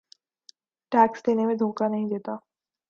tax دینے میں دھوکہ نہیں دیتا